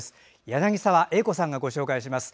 柳澤英子さんがご紹介します。